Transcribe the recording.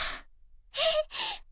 えっ！？